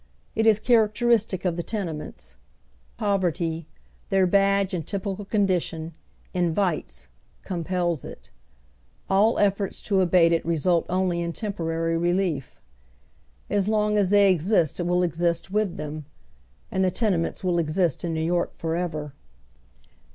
It is characteristic of the tene ments. Poverty, their badge and typical condition, in vites — compels it. All efforts to abate it result only in temporary relief. As long as they exist it will exist with them. And tlie tenements will exist in Kew York for ever.